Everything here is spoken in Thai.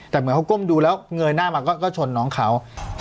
แต่เหมือนเขาก้มดูแล้วเงยหน้ามาก็ชนน้องเขา